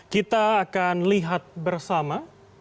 kita akan lihat bersama